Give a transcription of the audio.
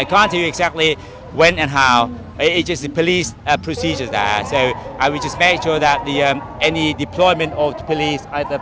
แกทำอัวการอย่างที่คือแค่อัวการ